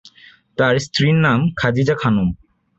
তার স্ত্রীর নাম খাদিজা খানম।